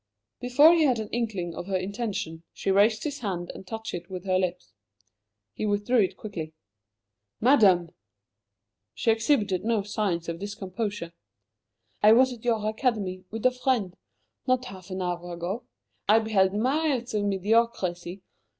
Before he had an inkling of her intention, she raised his hand and touched it with her lips. He withdrew it quickly. "Madame!" She exhibited no signs of discomposure. "I was at your Academy, with a friend not half an hour ago. I beheld miles of mediocrity.